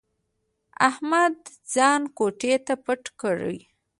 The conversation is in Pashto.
احمد ځان کوټې ته پټ کړي.